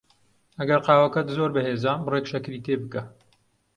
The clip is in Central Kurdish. ئەگەر قاوەکەت زۆر بەهێزە، بڕێک شەکری تێ بکە.